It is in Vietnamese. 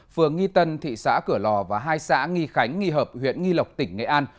phường nghi tân thị xã cửa lò và hai xã nghi khánh nghi hợp huyện nghi lộc tỉnh nghệ an